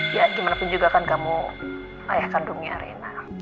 ya gimana pun juga kan kamu ayah kandungnya arena